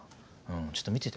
ちょっと見てて。